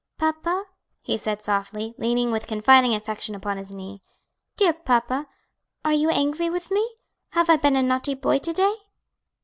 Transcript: "Papa," he said softly, leaning with confiding affection upon his knee, "dear papa, are you angry with me? have I been a naughty boy, to day?"